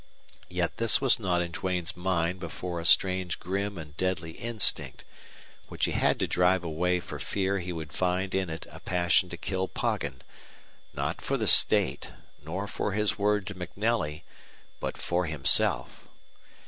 Yet this was not in Duane's mind before a strange grim and deadly instinct which he had to drive away for fear he would find in it a passion to kill Poggin, not for the state, nor for his word to MacNelly, but for himself.